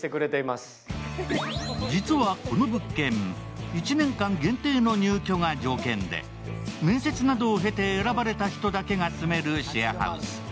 実はこの物件、１年間限定の入居が条件で面接などを経て選ばれた人だけが住めるシェアハウス。